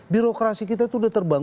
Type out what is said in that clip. birokrasi kita itu udah terbangunan